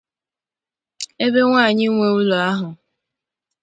ebe nwaanyị nwe ụlọ ahụ